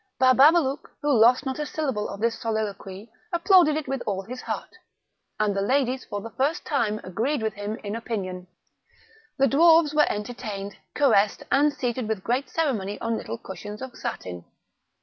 Bababalouk, who lost not a syllable of this soliloquy, applauded it with all his heart, and the ladies for the first time agreed with him in opinion. The dwarfs were entertained, caressed, and seated with great ceremony on little cushions of satin.